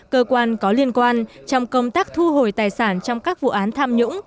cơ quan có liên quan trong công tác thu hồi tài sản trong các vụ án tham nhũng